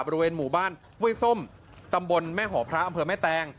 บริเวณหมู่บ้านห้วยส้มตำบลแม่หอพระอำเภอแม่แตง